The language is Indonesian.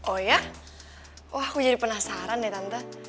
oh ya wah aku jadi penasaran deh tante